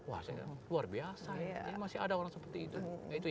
wah saya bilang luar biasa ini masih ada orang seperti itu